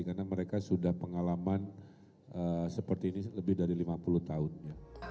karena mereka sudah pengalaman seperti ini lebih dari lima puluh tahun